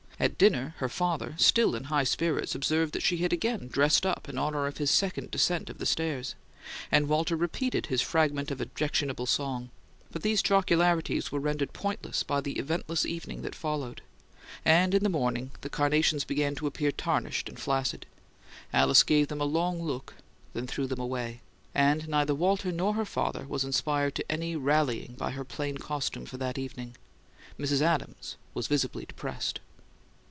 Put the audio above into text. At dinner, her father, still in high spirits, observed that she had again "dressed up" in honour of his second descent of the stairs; and Walter repeated his fragment of objectionable song; but these jocularities were rendered pointless by the eventless evening that followed; and in the morning the carnations began to appear tarnished and flaccid. Alice gave them a long look, then threw them away; and neither Walter nor her father was inspired to any rallying by her plain costume for that evening. Mrs. Adams was visibly depressed.